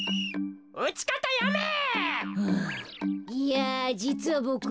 いやじつはボク